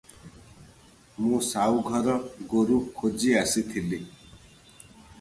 ମୁଁ ସାଉଘର ଗୋରୁ ଖୋଜି ଆସିଥିଲି ।